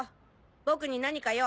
僕に何か用？